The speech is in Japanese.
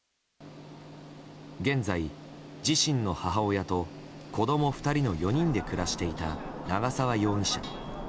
現在、自身の母親と子供２人の４人で暮らしていた長沢容疑者。